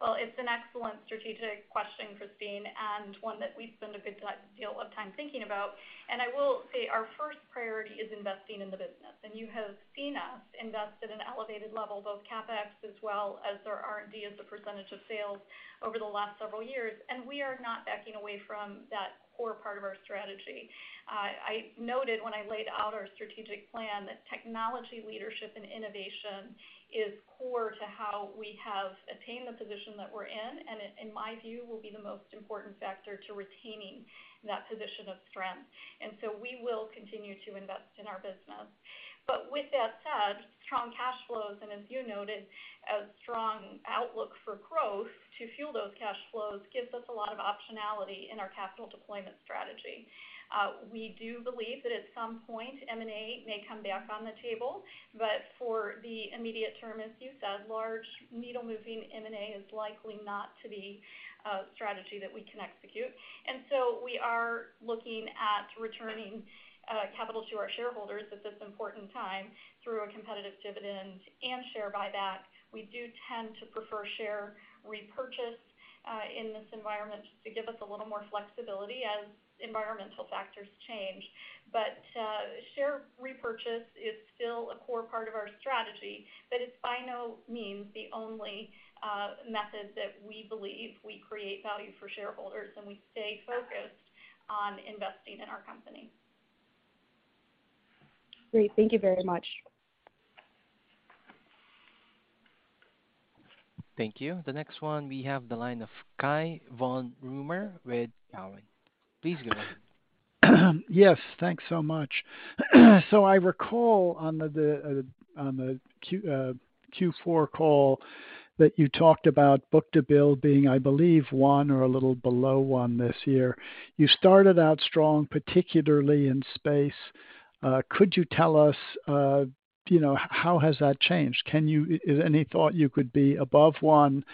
Well, it's an excellent strategic question, Kristine, and one that we spend a good deal of time thinking about. I will say our first priority is investing in the business. You have seen us invest at an elevated level, both CapEx as well as our R&D as a percentage of sales over the last several years, and we are not backing away from that core part of our strategy. I noted when I laid out our strategic plan that technology leadership and innovation is core to how we have attained the position that we're in, and it, in my view, will be the most important factor to retaining that position of strength. We will continue to invest in our business. With that said, strong cash flows, and as you noted, a strong outlook for growth to fuel those cash flows, gives us a lot of optionality in our capital deployment strategy. We do believe that at some point, M&A may come back on the table, but for the immediate term, as you said, large needle-moving M&A is likely not to be a strategy that we can execute. We are looking at returning capital to our shareholders at this important time through a competitive dividend and share buyback. We do tend to prefer share repurchase in this environment just to give us a little more flexibility as environmental factors change. Share repurchase is still a core part of our strategy, but it's by no means the only method that we believe we create value for shareholders, and we stay focused on investing in our company. Great. Thank you very much. Thank you. The next one, we have the line of Cai von Rumohr with Cowen. Please go ahead. Yes, thanks so much. I recall on the Q4 call that you talked about book-to-bill being, I believe, 1 or a little below 1 this year. You started out strong, particularly in space. Could you tell us how has that changed? Is there any thought you could be above 1,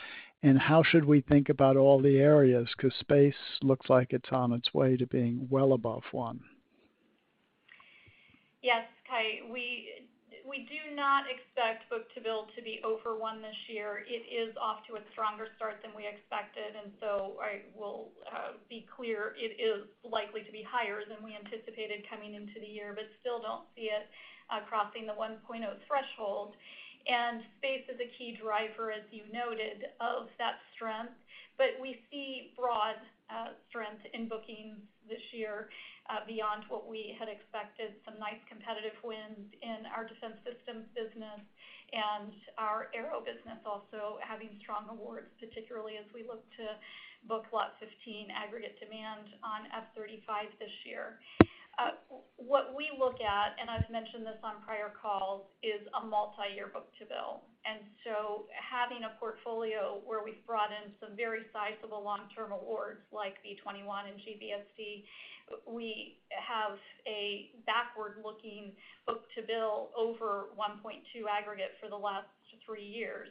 and how should we think about all the areas? 'Cause space looks like it's on its way to being well above 1. Yes, Cai. We do not expect book-to-bill to be over 1 this year. It is off to a stronger start than we expected, and so I will be clear, it is likely to be higher than we anticipated coming into the year, but still don't see it crossing the 1.0 threshold. Space is a key driver, as you noted, of that strength. We see broad strength in bookings this year beyond what we had expected, some nice competitive wins in our defense systems business and our aero business also having strong awards, particularly as we look to book lot 15 aggregate demand on F-35 this year. What we look at, and I've mentioned this on prior calls, is a multiyear book-to-bill. Having a portfolio where we've brought in some very sizable long-term awards like B-21 and GBSD, we have a backward-looking book-to-bill over 1.2 aggregate for the last three years.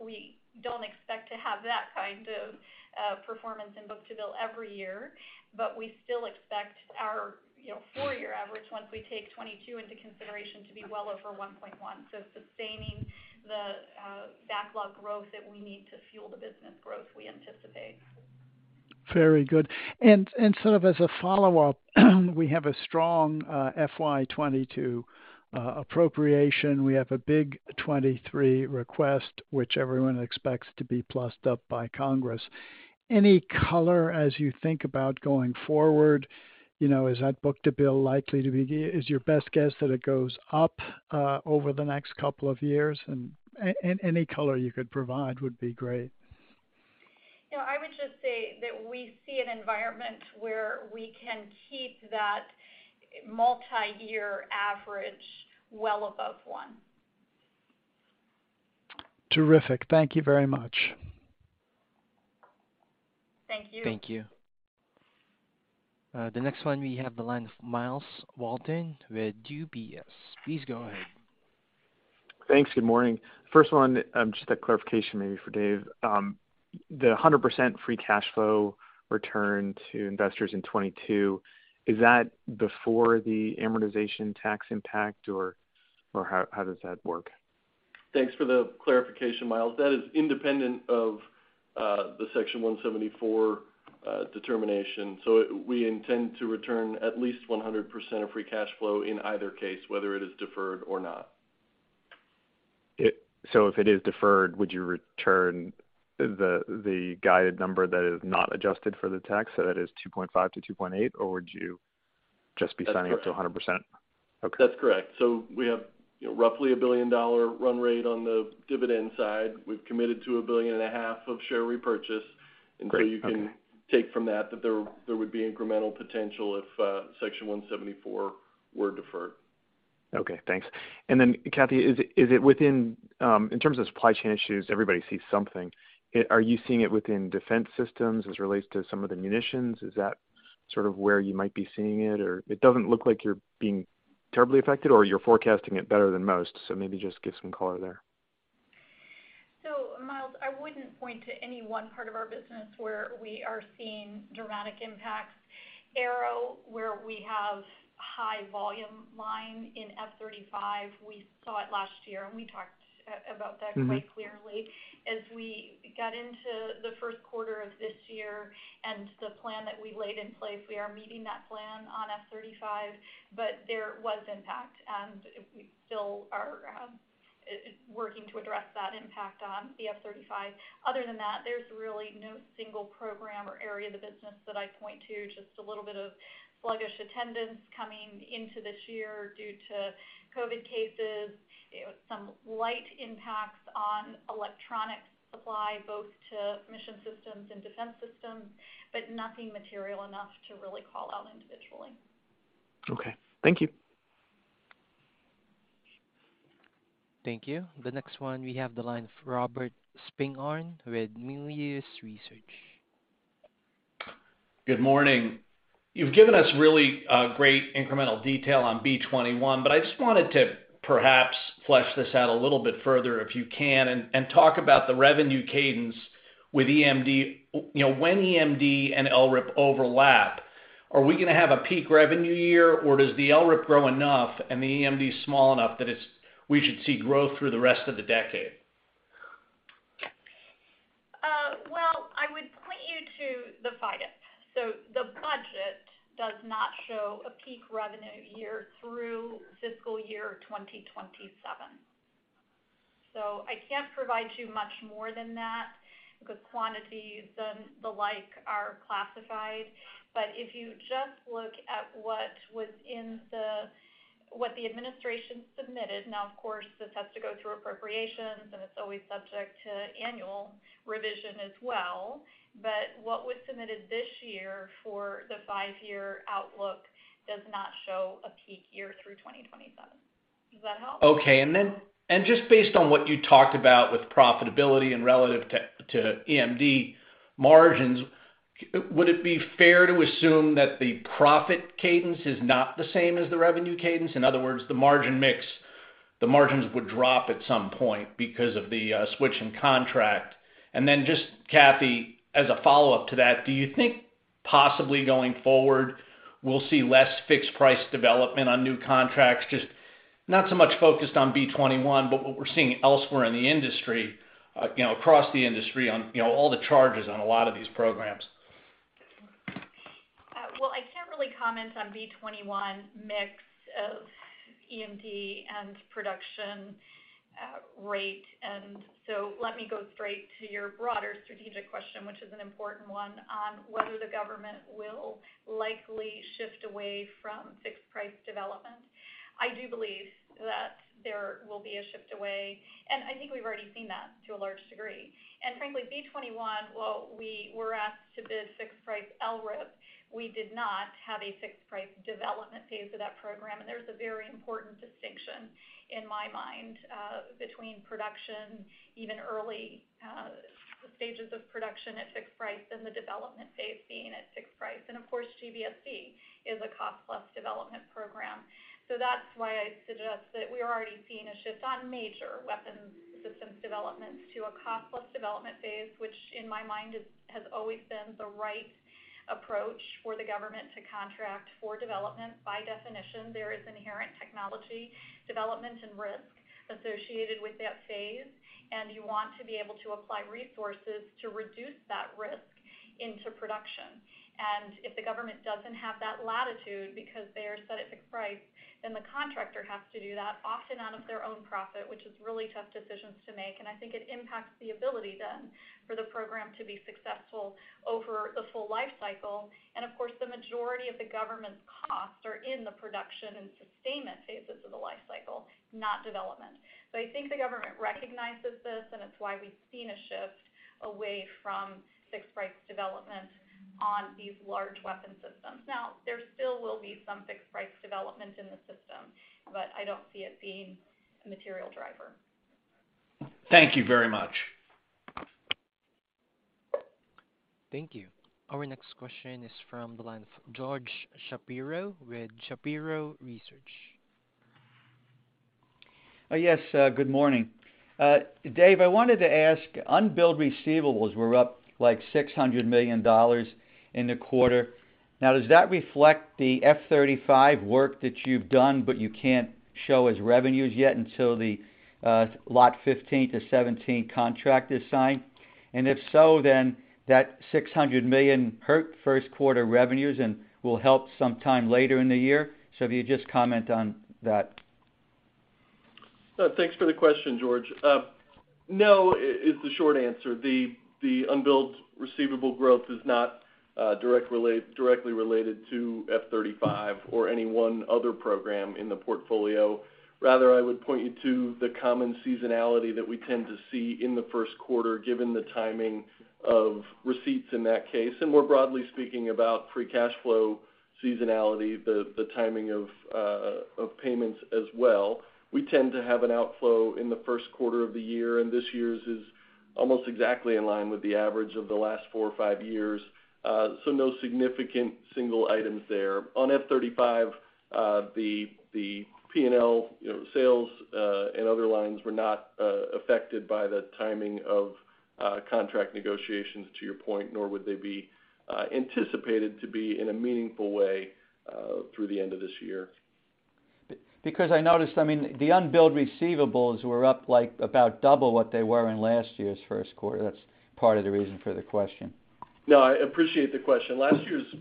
We don't expect to have that kind of performance in book-to-bill every year, but we still expect our, you know, four-year average, once we take 2022 into consideration, to be well over 1.1. Sustaining the backlog growth that we need to fuel the business growth we anticipate. Very good. Sort of as a follow-up, we have a strong FY 2022 appropriation. We have a big 2023 request, which everyone expects to be plussed up by Congress. Any color as you think about going forward, you know, is that book-to-bill likely to be? Is your best guess that it goes up over the next couple of years? Any color you could provide would be great. You know, I would just say that we see an environment where we can keep that multiyear average well above one. Terrific. Thank you very much. Thank you. Thank you. The next one, we have the line of Myles Walton with UBS. Please go ahead. Thanks. Good morning. First one, just a clarification maybe for Dave. The 100% free cash flow return to investors in 2022, is that before the amortization tax impact, or how does that work? Thanks for the clarification, Myles. That is independent of the Section 174 determination. We intend to return at least 100% of free cash flow in either case, whether it is deferred or not. If it is deferred, would you return the guidance number that is not adjusted for the tax, so that is $2.5-$2.8, or would you just be signing up to 100%? That's correct. Okay. That's correct. We have, you know, roughly a billion-dollar run rate on the dividend side. We've committed to $1.5 billion of share repurchase. Great. Okay. You can take from that that there would be incremental potential if Section 174 were deferred. Okay, thanks. Kathy, in terms of supply chain issues, everybody sees something. Are you seeing it within defense systems as it relates to some of the munitions? Is that sort of where you might be seeing it? Or it doesn't look like you're being terribly affected or you're forecasting it better than most. Maybe just give some color there. I wouldn't point to any one part of our business where we are seeing dramatic impacts. Aero, where we have high volume line in F-35, we saw it last year, and we talked about that quite clearly. As we got into the 1st quarter of this year and the plan that we laid in place, we are meeting that plan on F-35, but there was impact, and we still are working to address that impact on the F-35. Other than that, there's really no single program or area of the business that I point to, just a little bit of sluggish attendance coming into this year due to COVID cases, some light impacts on electronic supply, both to mission systems and defense systems, but nothing material enough to really call out individually. Okay. Thank you. Thank you. The next one, we have the line of Robert Spingarn with Melius Research. Good morning. You've given us really great incremental detail on B-21, but I just wanted to perhaps flesh this out a little bit further, if you can, and talk about the revenue cadence with EMD. You know, when EMD and LRIP overlap, are we gonna have a peak revenue year, or does the LRIP grow enough and the EMD is small enough that we should see growth through the rest of the decade? Well, I would point you to the FYDP. The budget does not show a peak revenue year through fiscal year 2027. I can't provide you much more than that because quantities and the like are classified. If you just look at what the administration submitted, now, of course, this has to go through appropriations, and it's always subject to annual revision as well. What was submitted this year for the five-year outlook does not show a peak year through 2027. Does that help? Okay. Just based on what you talked about with profitability and relative to EMD margins, would it be fair to assume that the profit cadence is not the same as the revenue cadence? In other words, the margin mix, the margins would drop at some point because of the switch in contract. Kathy, as a follow-up to that, do you think possibly going forward, we'll see less fixed price development on new contracts? Just not so much focused on B-21, but what we're seeing elsewhere in the industry, you know, across the industry on, you know, all the charges on a lot of these programs. I can't really comment on B-21 mix of EMD and production rate. Let me go straight to your broader strategic question, which is an important one on whether the government will likely shift away from fixed price development. I do believe that there will be a shift away, and I think we've already seen that to a large degree. Frankly, B-21, while we were asked to bid fixed price LRIP, we did not have a fixed price development phase of that program. There's a very important distinction in my mind between production, even early stages of production at fixed price and the development phase being at fixed price. Of course, GBSD is a cost plus development program. That's why I suggest that we are already seeing a shift on major weapons systems development to a cost plus development phase, which in my mind has always been the right approach for the government to contract for development. By definition, there is inherent technology development and risk associated with that phase, and you want to be able to apply resources to reduce that risk into production. If the government doesn't have that latitude because they are set at fixed price, then the contractor has to do that often out of their own profit, which is really tough decisions to make. I think it impacts the ability then for the program to be successful over the full life cycle. Of course, the majority of the government's costs are in the production and sustainment phases of the life cycle, not development. I think the government recognizes this, and it's why we've seen a shift away from fixed price development on these large weapon systems. Now, there still will be some fixed price development in the system, but I don't see it being a material driver. Thank you very much. Thank you. Our next question is from the line of George Shapiro with Shapiro Research. Yes, good morning. Dave, I wanted to ask, unbilled receivables were up, like, $600 million in the quarter. Now, does that reflect the F-35 work that you've done but you can't show as revenues yet until the lot 15-17 contract is signed? If so, then that $600 million hurt 1st quarter revenues and will help sometime later in the year. If you just comment on that. Thanks for the question, George. No is the short answer. The unbilled receivable growth is not directly related to F-35 or any one other program in the portfolio. Rather, I would point you to the common seasonality that we tend to see in the 1st quarter, given the timing of receipts in that case, and more broadly speaking about free cash flow seasonality, the timing of payments as well. We tend to have an outflow in the 1st quarter of the year, and this year's is almost exactly in line with the average of the last four or five years. No significant single items there. On F-35, the P&L, you know, sales and other lines were not affected by the timing of Contract negotiations to your point, nor would they be anticipated to be in a meaningful way through the end of this year. Because I noticed, I mean, the unbilled receivables were up, like, about double what they were in last year's 1st quarter. That's part of the reason for the question. No, I appreciate the question. Last year's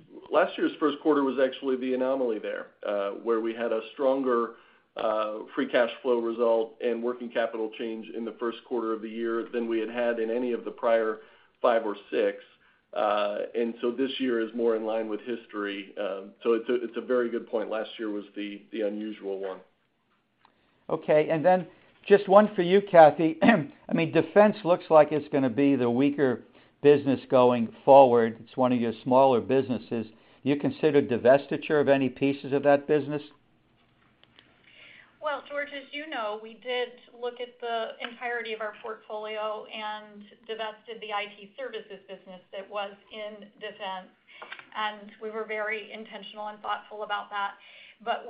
1st quarter was actually the anomaly there, where we had a stronger free cash flow result and working capital change in the 1st quarter of the year than we had in any of the prior 5 or 6. This year is more in line with history. It's a very good point. Last year was the unusual one. Okay. Just one for you, Kathy. I mean, defense looks like it's gonna be the weaker business going forward. It's one of your smaller businesses. You consider divestiture of any pieces of that business? Well, George, as you know, we did look at the entirety of our portfolio and divested the IT services business that was in defense. We were very intentional and thoughtful about that.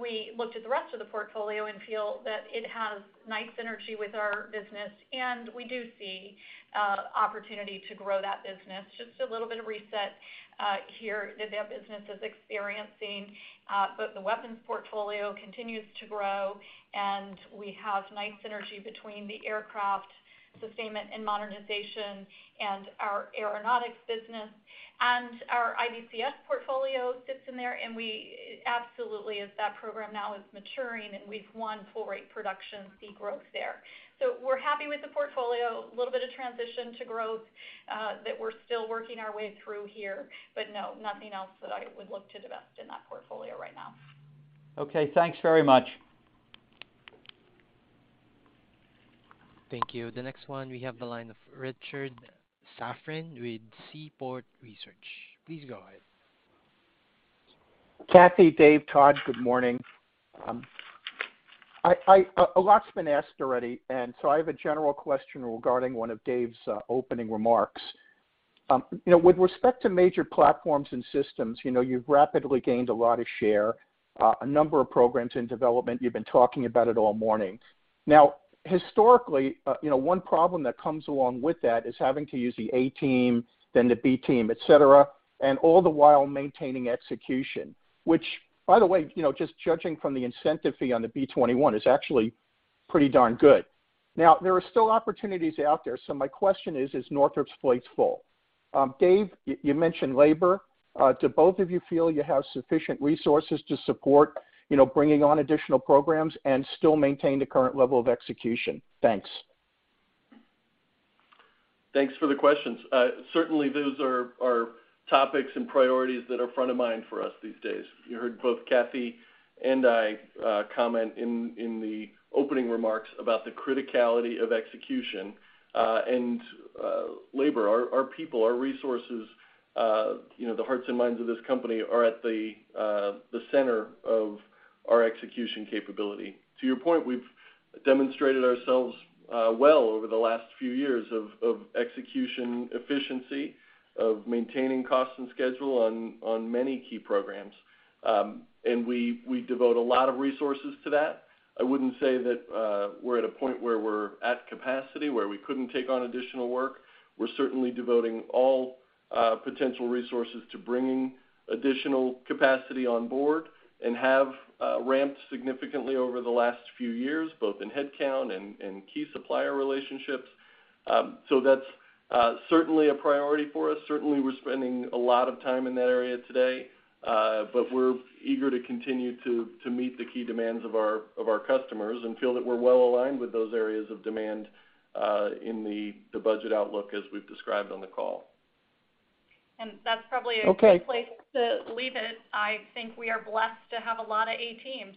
We looked at the rest of the portfolio and feel that it has nice synergy with our business, and we do see opportunity to grow that business. Just a little bit of reset here that business is experiencing. The weapons portfolio continues to grow and we have nice synergy between the aircraft sustainment and modernization and our aeronautics business. Our IBCS portfolio sits in there, and we absolutely, as that program now is maturing and we've won full rate production, see growth there. We're happy with the portfolio. A little bit of transition to growth that we're still working our way through here. No, nothing else that I would look to divest in that portfolio right now. Okay, thanks very much. Thank you. The next one, we have the line of Richard Safran with Seaport Research. Please go ahead. Kathy, Dave, Todd, good morning. A lot's been asked already, I have a general question regarding one of Dave's opening remarks. You know, with respect to major platforms and systems, you know, you've rapidly gained a lot of share, a number of programs in development. You've been talking about it all morning. Now, historically, you know, one problem that comes along with that is having to use the A team, then the B team, et cetera, and all the while maintaining execution. Which by the way, you know, just judging from the incentive fee on the B-21 is actually pretty darn good. Now, there are still opportunities out there, so my question is Northrop's plate full? Dave, you mentioned labor. Do both of you feel you have sufficient resources to support, you know, bringing on additional programs and still maintain the current level of execution? Thanks. Thanks for the questions. Certainly those are topics and priorities that are front of mind for us these days. You heard both Kathy and I comment in the opening remarks about the criticality of execution and labor. Our people, our resources, you know, the hearts and minds of this company are at the center of our execution capability. To your point, we've demonstrated ourselves well over the last few years of execution efficiency, of maintaining cost and schedule on many key programs. We devote a lot of resources to that. I wouldn't say that we're at a point where we're at capacity where we couldn't take on additional work. We're certainly devoting all potential resources to bringing additional capacity on board and have ramped significantly over the last few years, both in headcount and key supplier relationships. That's certainly a priority for us. Certainly, we're spending a lot of time in that area today. We're eager to continue to meet the key demands of our customers and feel that we're well aligned with those areas of demand in the budget outlook as we've described on the call. That's probably. Okay. A good place to leave it. I think we are blessed to have a lot of A teams.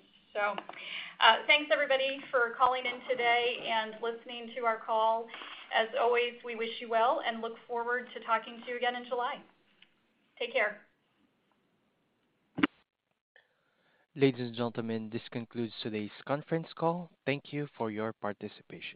Thanks everybody for calling in today and listening to our call. As always, we wish you well and look forward to talking to you again in July. Take care. Ladies and gentlemen, this concludes today's conference call. Thank you for your participation.